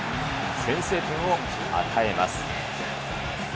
先制点を与えます。